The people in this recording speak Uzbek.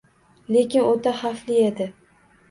Lekin o‘ta xavfli edi.